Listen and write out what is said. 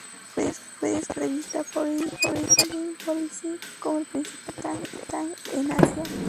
Fue descrito por la revista Foreign Policy como el principal think tank en Asia.